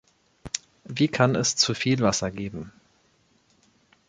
Wie kann es zuviel Wasser geben?